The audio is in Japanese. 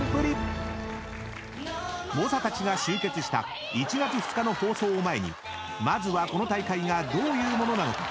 ［猛者たちが集結した１月２日の放送を前にまずはこの大会がどういうものなのか